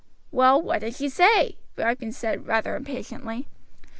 "Well, what did she say?" Ripon said rather impatiently.